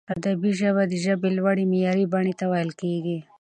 ادبي ژبه د ژبي لوړي معیاري بڼي ته ویل کیږي.